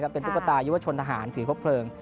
เป็นตุ๊กตายุวชนทหารถือครบเพลิง